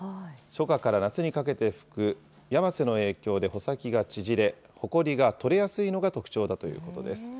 初夏から夏にかけて吹く、やませの影響で穂先がちぢれ、ほこりが取れやすいのが特徴だということです。